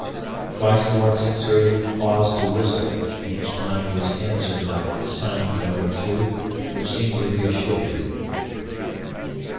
Twice more Sssuri paused to whistle, and each time he was answered by a signing note or two which seemed to reassure him.